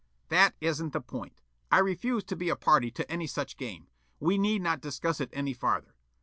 "That isn't the point. I refuse to be a party to any such game. We need not discuss it any farther.